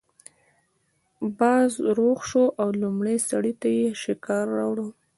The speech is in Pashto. باز روغ شو او لومړي سړي ته یې شکار راوړ.